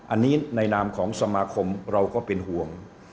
อันนี้ในนามของสมาคมเราก็เป็นห่วง